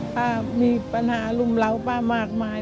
ป้ามีปัญหารุมเล้าป้ามากมาย